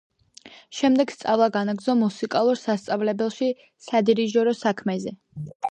შემდეგ სწავლა განაგრძო მუსიკალურ სასწავლებელში სადირიჟორო საქმეზე.